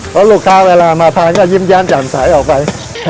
เพราะลูกค้าเวลาอามาพังก็ยิ้มแย้มกลั่นใสออกไป